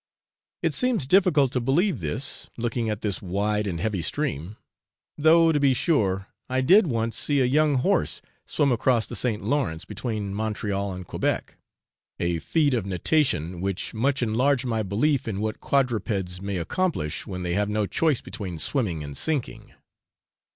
It seems difficult to believe this, looking at this wide and heavy stream though, to be sure, I did once see a young horse swim across the St. Lawrence, between Montreal and Quebec; a feat of natation which much enlarged my belief in what quadrupeds may accomplish when they have no choice between swimming and sinking.